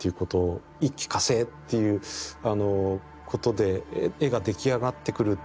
一気かせいっていうことで絵が出来上がってくると。